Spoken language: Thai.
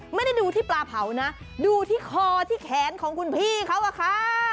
ไม่ได้ดูที่ปลาเผานะดูที่คอที่แขนของคุณพี่เขาอะค่ะ